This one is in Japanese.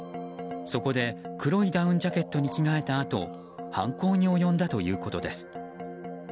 そこで黒いダウンジャケットに着替えたあと犯行に及んだということです。